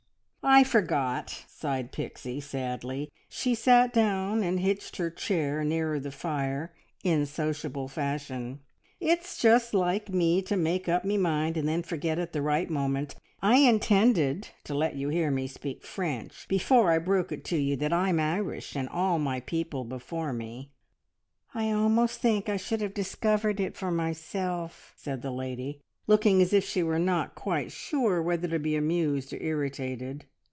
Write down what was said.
"I forgot!" sighed Pixie sadly. She sat down and hitched her chair nearer the fire in sociable fashion. "It's just like me to make up me mind, and then forget at the right moment! I intended to let you hear me speak French, before I broke it to you that I'm Irish and all my people before me." "I almost think I should have discovered it for myself!" said the lady, looking as if she were not quite sure whether to be amused or irritated.